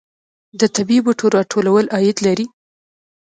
د طبیعي بوټو راټولول عاید لري